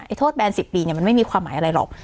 โทษแบน๑๐ปีมันไม่มีความหมายอะไรหรอก